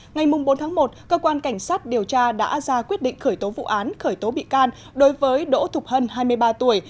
ngày bốn tháng một cơ quan cảnh sát điều tra đã ra quyết định khởi tố vụ án khởi tố bị can đối với đỗ thục hân hai mươi ba tuổi